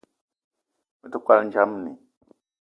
Me te kwal ndjamni